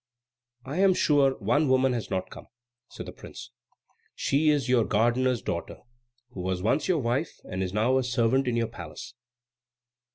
"I am sure one woman has not come," said the prince. "She is your gardener's daughter, who was once your wife and is now a servant in your palace."